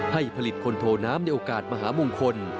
ให้ผลิตคนโทน้ำในโอกาสมหามงคล